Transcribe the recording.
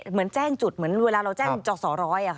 เหมือนแจ้งจุดเหมือนเวลาเราแจ้งจอสอร้อย